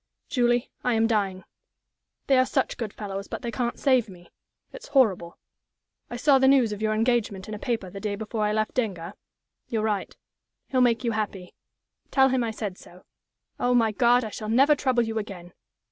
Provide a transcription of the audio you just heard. "Julie, I am dying. They are such good fellows, but they can't save me. It's horrible. "I saw the news of your engagement in a paper the day before I left Denga. You're right. He'll make you happy. Tell him I said so. Oh, my God, I shall never trouble you again!